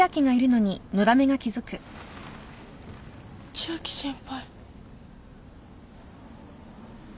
千秋先輩。